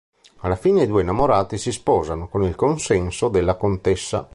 Alla fine i due innamorati si sposano, con il consenso della contessa.